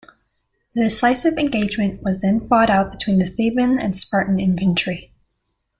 The decisive engagement was then fought out between the Theban and Spartan infantry.